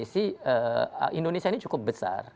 jadi indonesia ini cukup besar